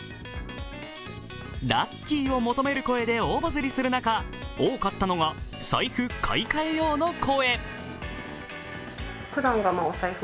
ラッキーを求める声で大バズリする中、多かったのが財布買い替えよう！の声。